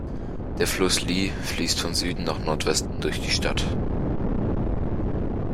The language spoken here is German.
Der Fluss Lis fließt von Süden nach Nordwesten durch die Stadt.